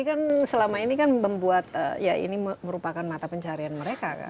ini kan selama ini kan membuat ya ini merupakan mata pencarian mereka kan